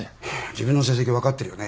自分の成績分かってるよね？